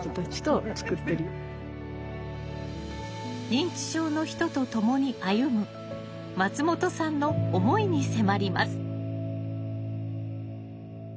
認知症の人と共に歩む松本さんの思いに迫ります。